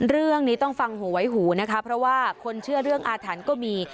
เรื่องนี้ต้องฟังหูไว้หูนะคะเพราะว่าคนเชื่อเรื่องอาถรรพ์ก็มี